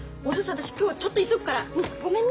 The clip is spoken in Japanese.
私今日ちょっと急ぐからごめんね。